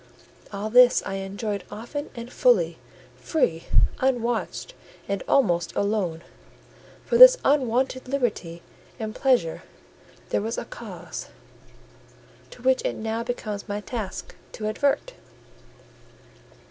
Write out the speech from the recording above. All this I enjoyed often and fully, free, unwatched, and almost alone: for this unwonted liberty and pleasure there was a cause, to which it now becomes my task to advert.